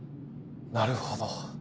なるほど。